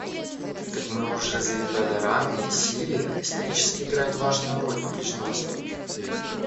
Как мы уже заявляли ранее, Сирия исторически играет важную роль на Ближнем Востоке.